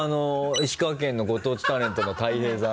石川県のご当地タレントの大平さん。